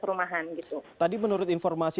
perumahan gitu tadi menurut informasi